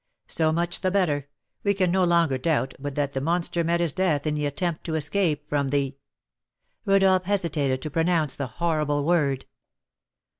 "So much the better! We can no longer doubt but that the monster met his death in the attempt to escape from the " Rodolph hesitated to pronounce the horrible word.